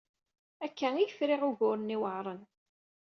Akka ay friɣ ugur-nni iweɛṛen.